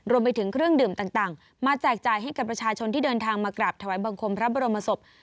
รวมไปถึงเครื่องดื่มต่างมาแจกจ่ายให้กับประชาชนที่เดินทางมากราบถวายบังคมพระบรมศพ